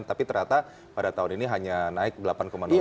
tapi ternyata pada tahun ini hanya naik delapan dua persen